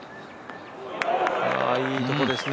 いいところですね。